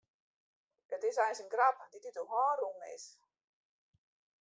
It is eins in grap dy't út de hân rûn is.